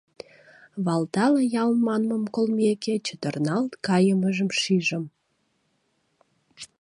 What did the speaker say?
Валтала ял манмым колмеке, чытырналт кайымыжым шижым.